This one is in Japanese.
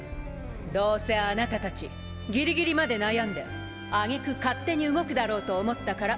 どうせアナタたちギリギリまで悩んであげく勝手に動くだろうと思ったから。